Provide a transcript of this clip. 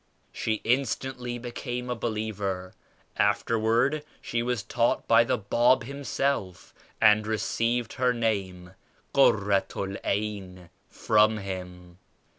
She instantly became a believer. Afterward she was taught by the Bab Himself and received her name 'Kurratu I'Ayn' from Him.